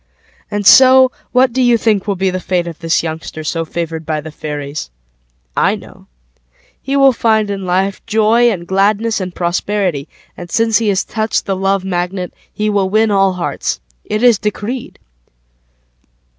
And so, What do you think will be the fateOf this youngster So favored by the fairies?I know. He will find in lifeJoy and gladness and prosperity, And since he has touched The Love MagnetHe will win all hearts.It is decreed.